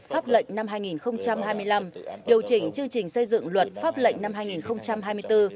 pháp lệnh năm hai nghìn hai mươi năm điều chỉnh chương trình xây dựng luật pháp lệnh năm hai nghìn hai mươi bốn